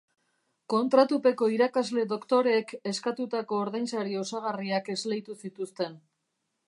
Kontratupeko irakasle doktoreek eskatutako ordainsari osagarriak esleitu zituzten.